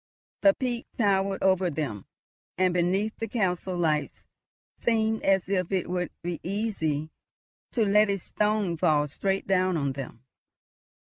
The peak towered over them, and beneath, the castle lights seemed as if it would be easy to let a stone fall straight down on them.